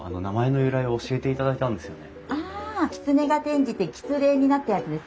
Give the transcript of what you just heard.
「きつね」が転じて「きつれ」になったやつですね。